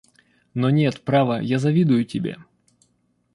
Но нет, право, я завидую тебе.